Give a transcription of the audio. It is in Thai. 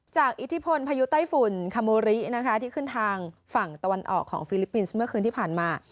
อิทธิพลพายุไต้ฝุ่นคาโมรินะคะที่ขึ้นทางฝั่งตะวันออกของฟิลิปปินส์เมื่อคืนที่ผ่านมา